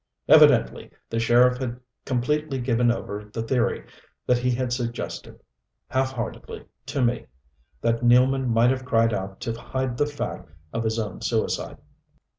Evidently the sheriff had completely given over the theory that he had suggested, half heartedly, to me that Nealman might have cried out to hide the fact of his own suicide.